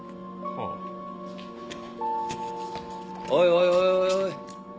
おいおいおいおいおい。